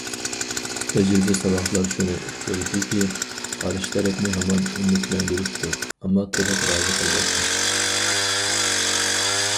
تەجرىبە- ساۋاقلار شۇنى ئۇقتۇرىدۇكى، قارشى تەرەپنى ھامان ئۈمىدلەندۈرۈپ تۇر، ئەمما تولۇق رازى قىلىۋەتمە.